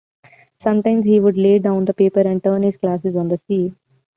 Sometimes he would lay down the paper and turn his glasses on the sea.